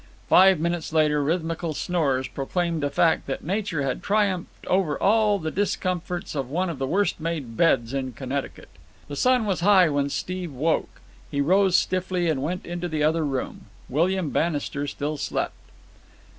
Five minutes later rhythmical snores proclaimed the fact that nature had triumphed over all the discomforts of one of the worst made beds in Connecticut. The sun was high when Steve woke. He rose stiffly and went into the other room. William Bannister still slept.